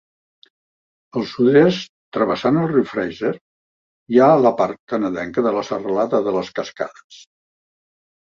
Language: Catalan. Al sud-est travessant el riu Fraser hi ha la part canadenca de la serralada de les Cascades.